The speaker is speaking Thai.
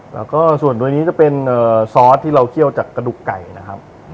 แล้วก็ส่วนตัวนี้จะเป็นซอสที่เราเคี่ยวจากกระดูกไก่นะครับ